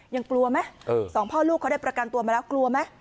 ยังกลัวไหมสองพ่อลูกเขาได้ประกันตัวมาแล้วกลัวไหม